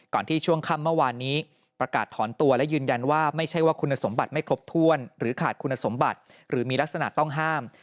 ที่ช่วงค่ำเมื่อวานนี้ประกาศถอนตัวและยืนยันว่าไม่ใช่ว่าคุณสมบัติไม่ครบถ้วนหรือขาดคุณสมบัติหรือมีลักษณะต้องห้าม